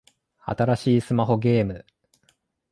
新しいスマホゲーム